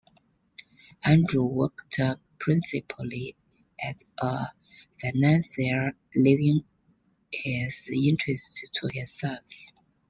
Andrew worked principally as a financier leaving his interests to his sons.